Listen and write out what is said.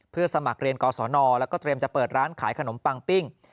เพื่อสมัครเรียนกรสนแล้วก็เปิดร้านขายขนมปังปิ้ง